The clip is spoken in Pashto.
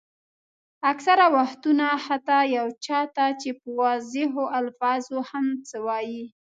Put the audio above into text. اکثره وختونه حتیٰ یو چا ته چې په واضحو الفاظو هم څه وایئ.